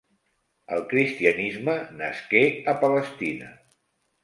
El cristianisme nasqué a Palestina.